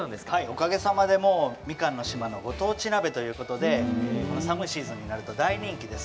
おかげさまでみかんの島のご当地鍋ということでこの寒いシーズンになると大人気です。